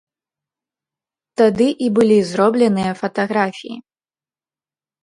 Тады і былі зробленыя фатаграфіі.